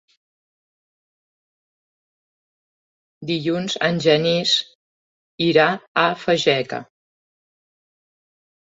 Dilluns en Genís irà a Fageca.